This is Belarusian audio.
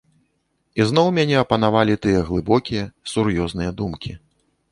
Ізноў мяне апанавалі тыя глыбокія, сур'ёзныя думкі.